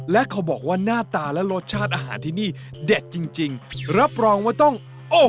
และเขาบอกว่าหน้าตาและรสชาติอาหารที่นี่เด็ดจริงจริงรับรองว่าต้องโอ้โห